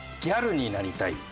「ギャルになりたい」。